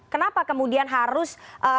kenapa kemudian harus